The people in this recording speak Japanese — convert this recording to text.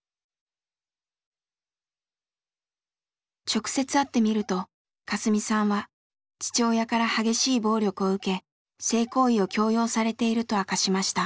直接会ってみるとカスミさんは父親から激しい暴力を受け性行為を強要されていると明かしました。